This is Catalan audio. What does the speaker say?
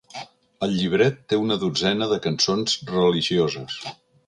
El llibret té una dotzena de cançons religioses.